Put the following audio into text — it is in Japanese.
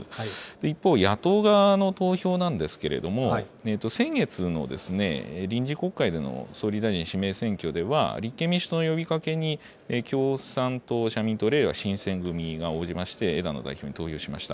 一方、野党側の投票なんですけれども、先月の臨時国会での総理大臣指名選挙では、立憲民主党の呼びかけに共産党、社民党、れいわ新選組が応じまして、枝野代表に投票しました。